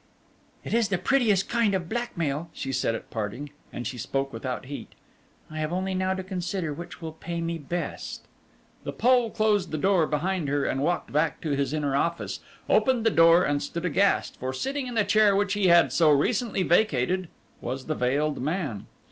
"It is the prettiest kind of blackmail," she said at parting, and she spoke without heat. "I have only now to consider which will pay me best." The Pole closed the door behind her and walked back to his inner office, opened the door and stood aghast, for sitting in the chair which he had so recently vacated was the veiled man.